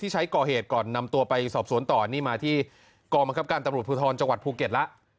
ใช้ก่อเหตุก่อนนำตัวไปสอบสวนต่อนี่มาที่กองบังคับการตำรวจภูทรจังหวัดภูเก็ตแล้ว